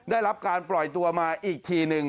ได้รับการปล่อยตัวมาอีกทีหนึ่ง